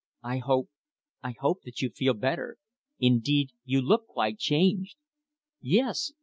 "I hope I hope that you feel better. Indeed, you look quite changed!" "Yes.